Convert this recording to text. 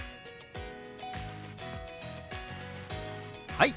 はい！